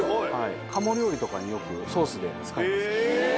鴨料理とかによくソースで使います。